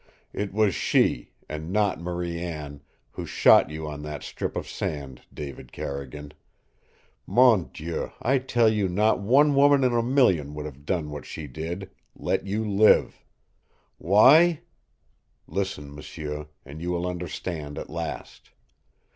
"It was she, and not Marie Anne, who shot you on that strip of sand, David Carrigan! Mon Dieu, I tell you not one woman in a million would have done what she did let you live! Why? Listen, m'sieu, and you will understand at last.